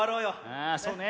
ああそうね。